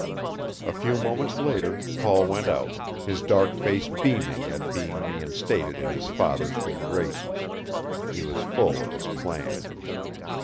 A few moments later Paul went out, his dark face beaming at being reinstated in his father's good graces. He was full of his plan.